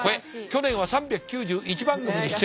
去年は３９１番組に出演。